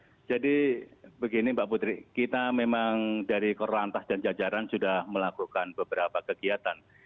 ya jadi begini mbak putri kita memang dari korlantas dan jajaran sudah melakukan beberapa kegiatan